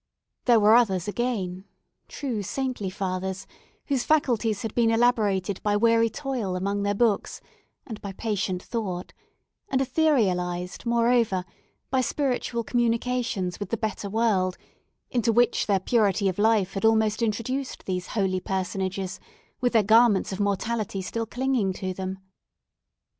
There were others again, true saintly fathers, whose faculties had been elaborated by weary toil among their books, and by patient thought, and etherealised, moreover, by spiritual communications with the better world, into which their purity of life had almost introduced these holy personages, with their garments of mortality still clinging to them.